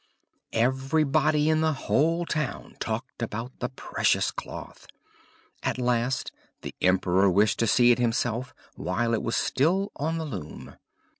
Everybody in the whole town talked about the precious cloth. At last the emperor wished to see it himself, while it was still on the loom.